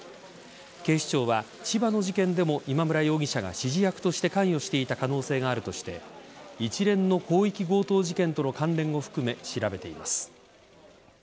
警視庁は、千葉の事件でも今村容疑者が指示役として関与していた可能性があるとして一連の広域強盗事件との関連を含め、調べています。